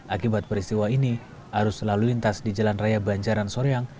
akibat peristiwa ini arus lalu lintas di jalan raya banjaran soreang